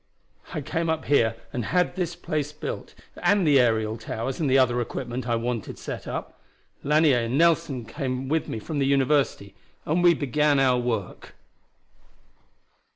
I came up here and had this place built, and the aerial towers and other equipment I wanted set up. Lanier and Nelson came with me from the university, and we began our work.